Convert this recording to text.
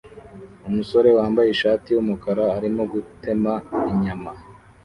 Umusore wambaye ishati yumukara arimo gutema inyama